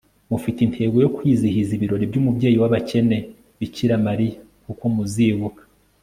mufite intego yo kwizihiza ibirori by'umubyeyi w'abakene bikira mariya, kuko muzibuka